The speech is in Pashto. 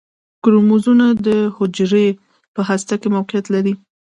کروموزومونه د حجرې په هسته کې موقعیت لري